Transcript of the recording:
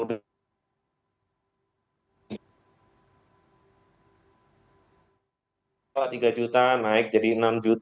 rp tiga naik jadi rp enam